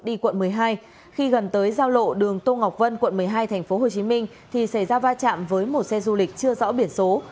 đi quận một mươi hai khi gần tới giao lộ đường tô ngọc vân quận một mươi hai tp hcm thì xảy ra va chạm với một xe du lịch chưa rõ biển số